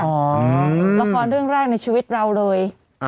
ละครเรื่องแรกในชีวิตเราเลย